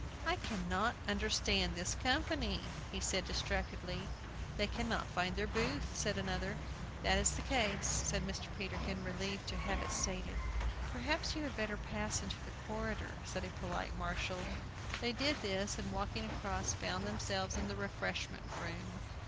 "I cannot understand this company," he said, distractedly. "They cannot find their booth," said another. "That is the case," said Mr. Peterkin, relieved to have it stated. "Perhaps you had better pass into the corridor," said a polite marshal. They did this, and, walking across, found themselves in the refreshment room.